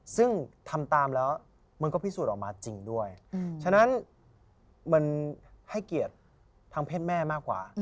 ซึ่งทำตามแล้วมันก็พิสูจน์ออกมาจริงด้วยฉะนั้นมันให้เกียรติทางเพศแม่มากกว่า